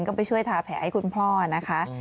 ก็ไปช่วยทาแผลให้คุณพ่อนะคะ